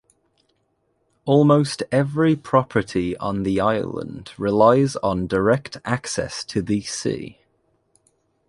Almost every property on the Island relies on direct access to the sea.